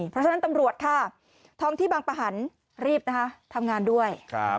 เพราะฉะนั้นตำรวจค่ะท้องที่บางประหันรีบนะคะทำงานด้วย